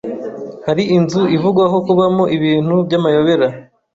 Hari inzu ivugwaho kubamo ibintu by’amayobera